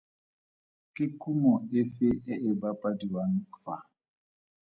Ke kumo efe e e bapadiwang fa?